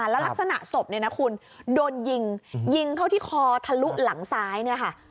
แล้วลักษณะศพเนี่ยนะคุณโดนยิงยิงเข้าที่คอทะลุหลังซ้ายเนี่ยค่ะ